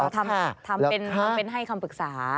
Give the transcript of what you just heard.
ทำให้คำปรึกษา